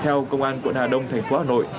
theo công an quận hà đông thành phố hà nội